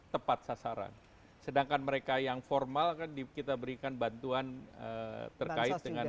tepat sasaran sedangkan mereka yang formal kan di kita berikan bantuan terkait dengan